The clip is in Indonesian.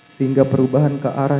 sehingga perubahan ke arah